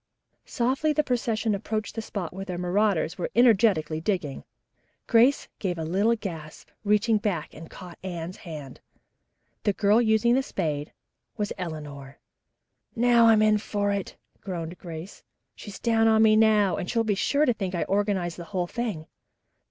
Softly the procession approached the spot where the marauders were energetically digging. Grace gave a little gasp, and reaching back caught Anne's hand. The girl using the spade was Eleanor. "Now I'm in for it," groaned Grace. "She's down on me now, and she'll be sure to think I organized the whole thing."